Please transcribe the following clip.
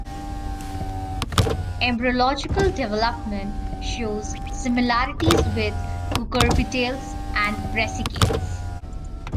Embryological development shows similarities with Cucurbitales and Brassicales.